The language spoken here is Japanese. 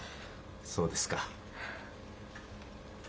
そうですか。